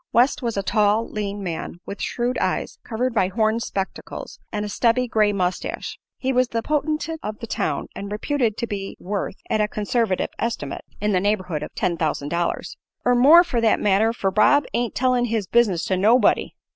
West was a tall, lean man with shrewd eyes covered by horn spectacles and a stubby gray mustache. He was the potentate of the town and reputed to be worth, at a conservative estimate, in the neighborhood of ten thousand dollars "er more, fer that matter; fer Bob ain't tellin' his business to nobody."